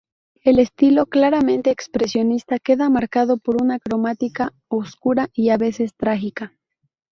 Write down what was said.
El estilo, claramente expresionista, queda marcado por una cromática oscura y a veces trágica.